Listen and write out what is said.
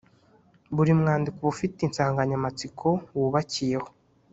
buri mwandiko uba ufite insanganyamatsiko wubakiyeho